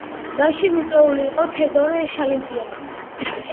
დასში მიწვეული იყო თედორე შალიაპინი.